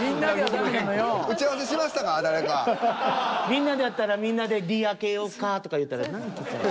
みんなでやったらみんなで「Ｂ挙げよっか」とか言うたらな。